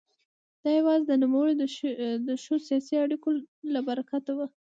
دا یوازې د نوموړي د ښو سیاسي اړیکو له برکته وه.